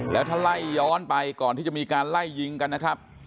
แล้วถ้าไล่ย้อนไปก่อนที่จะมีการไล่ยิงกันนะครับ